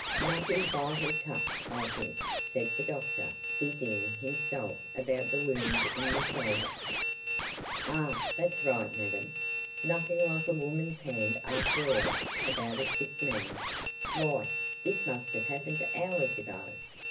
"Nothing vital touched, I think," said the doctor, busying himself about the wound in the shoulder. "Ah! That's right, madam. Nothing like a woman's hand, after all, about a sick man. Why, this must have happened hours ago."